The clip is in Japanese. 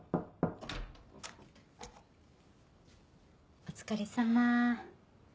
お疲れさま。